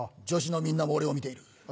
女子のみんなも俺を見ている。